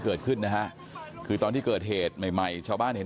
เกิดขึ้นนะฮะคือตอนที่เกิดเหตุใหม่ใหม่ชาวบ้านเห็น